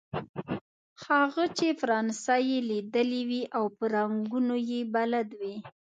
هغه چې فرانسه یې ليدلې وي او په رنګونو يې بلد وي.